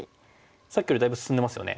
さっきよりだいぶ進んでますよね。